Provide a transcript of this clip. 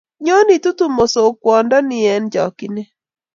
Nyon itutu musukwondoni eng' chokchinet.